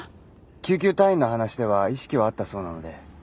救急隊員の話では意識はあったそうなので。